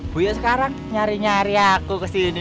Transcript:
buya sekarang nyari nyari aku kesini